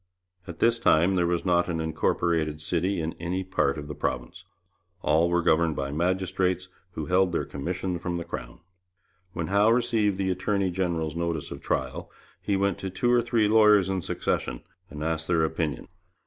At this time there was not an incorporated city in any part of the province. All were governed by magistrates who held their commission from the Crown. When Howe received the attorney general's notice of trial, he went to two or three lawyers in succession, and asked their opinion.